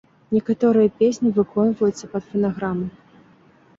Некаторыя песні выконваюцца пад фанаграму.